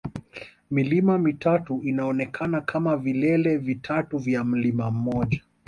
Milima mitatu inaonekana kama vilele vitatu vya mlima mmoja